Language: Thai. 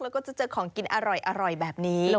แล้วก็จะเจอของกินอร่อยแบบนี้